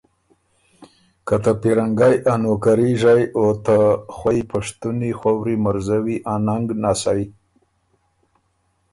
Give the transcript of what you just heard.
که ته پیرنګئ ا نوکري ژئ او ته خوئ پشتُونی خؤوری مرزوی ا ننګ نسئ